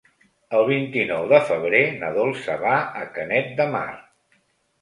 El vint-i-nou de febrer na Dolça va a Canet de Mar.